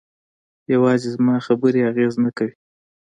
یوازې زما خبرې اغېزه نه کوي.